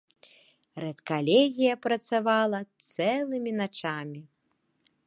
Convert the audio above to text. Рэдкалегія працавала цэлымі начамі.